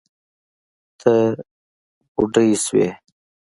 ته بوډه شوې